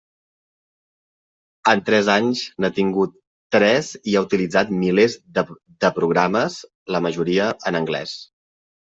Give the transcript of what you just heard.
En tres anys n'ha tingut tres i ha utilitzat milers de programes, la majoria en anglès.